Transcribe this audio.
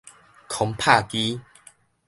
空拍機